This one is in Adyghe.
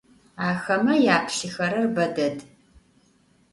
Ахэмэ яплъыхэрэр бэ дэд.